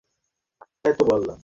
আমার পাশে বসো।